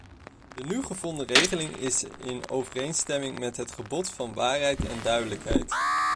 De nu gevonden regeling is in overeenstemming met het gebod van waarheid en duidelijkheid.